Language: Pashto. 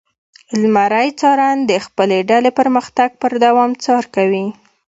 لمری څارن د خپلې ډلې پرمختګ پر دوام څار کوي.